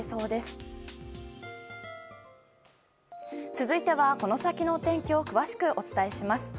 続いては、この先の天気を詳しくお伝えします。